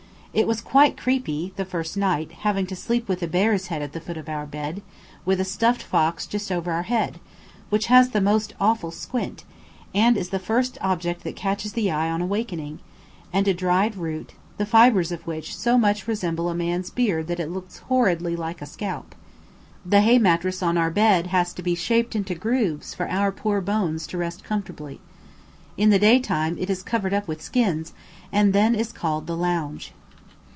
It was quite creepy, the first night, having to sleep with a bear's head at the foot of our bed, with a stuffed fox just over our head, which has the most awful squint, and is the first object that catches the eye on awaking, and a dried root, the fibres of which so much resemble a man's beard that it looks horridly like a scalp. The hay mattress on our bed has to be; shaped into grooves for our poor bones to rest comfortably. In the day time it is covered up with skins, and then is called the "lounge."